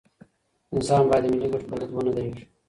انسان بايد د ملي ګټو پر ضد ونه درېږي.